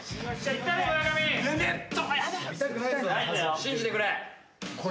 信じてくれ。